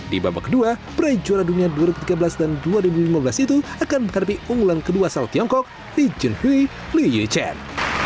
di babak kedua berai juara dunia dua ribu tiga belas dan dua ribu lima belas itu akan menghadapi unggulan kedua sel tiongkok lee junhui lee yuchen